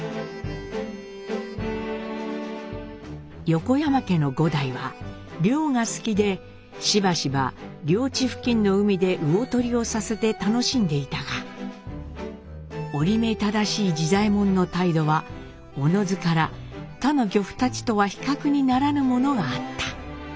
「横山家の五代は漁が好きでしばしば領地付近の海で魚漁をさせて楽しんでゐたが折目正しい次左衛門の態度はおのづから他の漁夫たちとは比較にならぬものがあった。